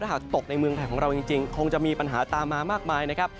หากตกในเมืองไทยของเราจริงคงจะมีปัญหาตามมามากมายนะครับ